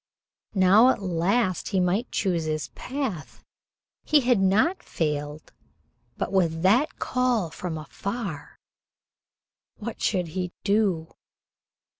Now at last he might choose his path. He had not failed, but with that call from afar what should he do?